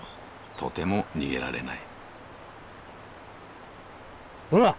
とても逃げられない。